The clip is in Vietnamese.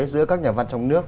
giữa các nhà văn trong nước